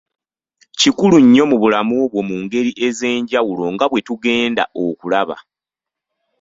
Kikulu nnyo mu bulamu bwo mu ngeri ez’enjawulo nga bwe tugenda okulaba.